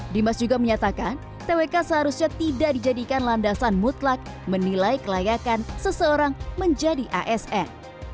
dimas juga menyatakan twk seharusnya tidak dijadikan landasan mutlak menilai kelayakan seseorang menjadi asn